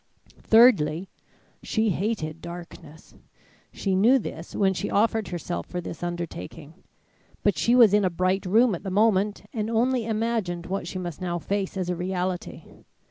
Thirdly: She hated darkness. She knew this when she offered herself for this undertaking; but she was in a bright room at the moment and only imagined what she must now face as a reality.